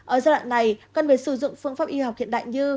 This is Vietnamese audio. ở giai đoạn này cần phải sử dụng phương pháp y học hiện đại như